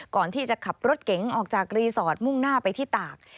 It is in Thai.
ก่อนที่จะขับรถเก๋งออกจากรีสอร์ทมุ่งหน้าไปที่ตาก